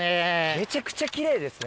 めちゃくちゃきれいですね。